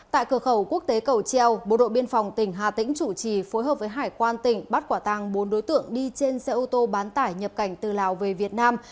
tại cửa khẩu quốc tế cầu treo bộ đội biên phòng tỉnh hà tĩnh chủ trì phối hợp với hải quan tỉnh bắt quả tàng bốn đối tượng đi trên xe ô tô bán tải nhập cảnh từ lào về việt nam